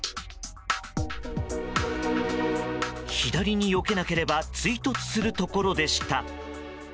左によけなければ追突するところでした。